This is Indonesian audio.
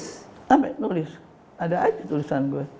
sampai nulis ada aja tulisan gue